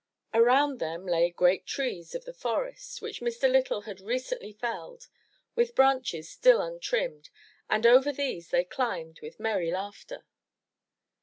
Around them lay great trees of the forest, which Mr. Lytle had recently felled, with branches still untrimmed, and over these they climbed with merry laughter.